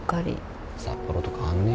札幌と変わんねえよ。